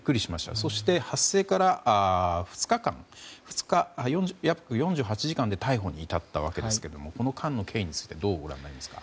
そして発生から２日間約４８時間で逮捕に至ったわけですがこの間の経緯についてどうご覧になりますか？